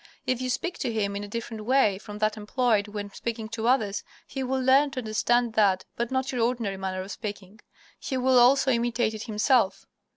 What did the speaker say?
If you speak to him in a different way from that employed when speaking to others he will learn to understand that, but not your ordinary manner of speaking. He will also imitate it himself.